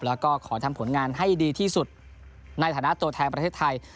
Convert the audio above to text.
แล้วก็ขอทำผลงานให้ดีที่สุดในฐานะตัวแทนประเทศไทย